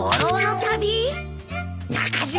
中島！